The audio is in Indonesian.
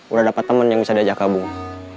udah dapat temen yang bisa diajak kabung